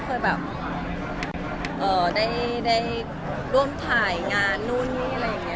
จริงได้ร่วมถ่ายงานโน้นนี่อะไรอย่างนี้